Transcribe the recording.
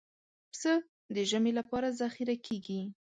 پسه د ژمي لپاره ذخیره کېږي.